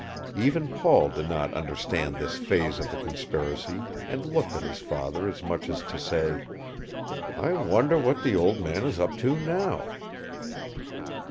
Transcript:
Even Paul did not understand this phase of the conspiracy and looked at his father as much as to say, "I wonder what the old man is up to now?"